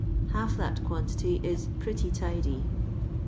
Half that quantity is pcetty tidy."